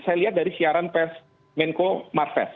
saya lihat dari siaran pes menko marfes